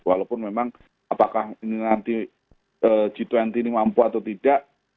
walaupun memang apakah ini nanti g dua puluh ini mampu atau tidak